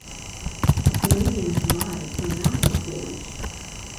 Canadians Live from Mountain Stage.